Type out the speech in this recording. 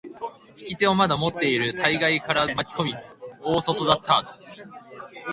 引き手をまだ持っている大外から巻き込み、大外巻き込み。